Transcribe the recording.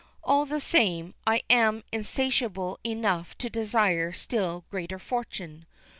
"All the same, I am insatiable enough to desire still greater fortune.